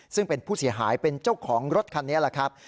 ซึ่งเป็นผู้เสียหายเป็นเจ้าของรถคันนี้แหละครับ